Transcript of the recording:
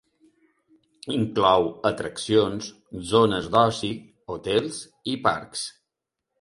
Inclou atraccions, zones d'oci, hotels i parcs.